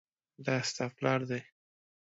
دا ستا پلار دی؟